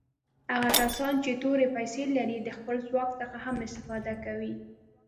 هغه کسان چې تورې پیسي لري د خپل ځواک څخه هم استفاده کوي.